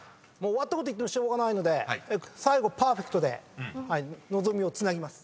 終わったこと言ってもしょうがないので最後パーフェクトで望みをつなぎます。